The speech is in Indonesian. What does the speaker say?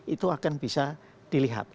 itu akan bisa dilihat